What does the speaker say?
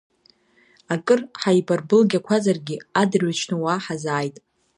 Акыр ҳаибарбылгьақәазаргьы адырҩаҽны уа ҳазааит.